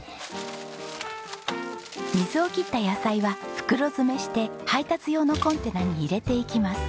水を切った野菜は袋詰めして配達用のコンテナに入れていきます。